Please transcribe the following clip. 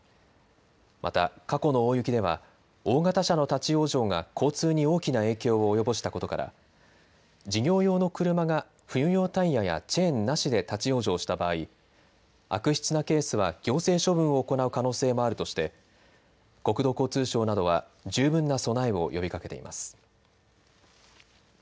また過去の大雪では大型車の立往生が交通に大きな影響を及ぼしたことから事業用の車が冬用タイヤやチェーンなしで立往生した場合、悪質なケースは行政処分を行う可能性もあるとして国土交通省などは十分な備えを呼びかけています。